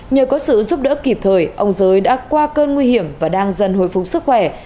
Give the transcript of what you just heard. nhờ có sự giúp đỡ kịp thời ông giới đã qua cơn nguy hiểm và đang dần hồi phục sức khỏe